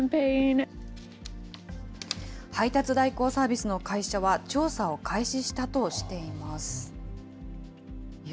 配達代行サービスの会社は、調査を開始したとしています。